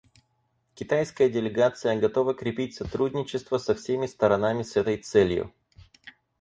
Китайская делегация готова крепить сотрудничество со всеми сторонами с этой целью.